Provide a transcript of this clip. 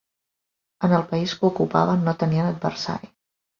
En el país que ocupaven no tenien adversari.